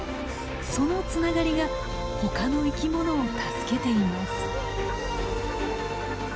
そのつながりがほかの生き物を助けています。